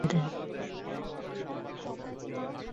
রুলের ওপর শুনানি শেষে গতকাল আদালত রুল আংশিক মঞ্জুর করে রায় দেন।